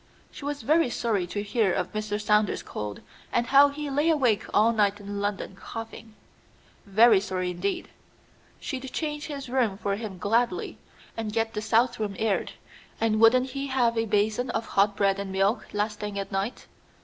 She was very sorry to hear of Mr. Saunders's cold, and how he lay awake all night in London coughing; very sorry indeed. She'd change his room for him gladly, and get the south room aired. And wouldn't he have a basin of hot bread and milk last thing at night?